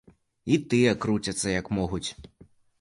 І тыя круцяцца, як могуць.